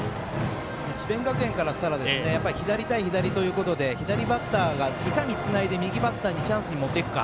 智弁学園からしたら左対左ということで左バッターがいかにつないで右バッターにチャンスで持っていくか。